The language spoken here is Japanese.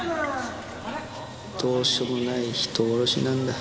どうしようもない人殺しなんだ。